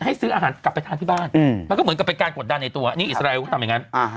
ให้ซื้ออาหารกลับไปทานที่บ้าน